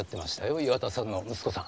岩田さんの息子さん。